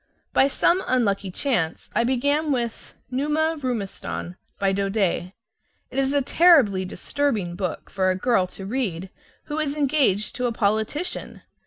By some unlucky chance I began with "Numa Roumestan," by Daudet. It is a terribly disturbing book for a girl to read who is engaged to a politician.